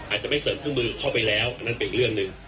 อาจจะไม่เสริมเครื่องมือเข้าไปแล้วอันนั้นเป็นอีกเรื่องหนึ่ง